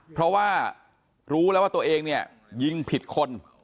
เพราะว่ารู้แล้วว่าตัวเองเนี่ยยิงผิดคน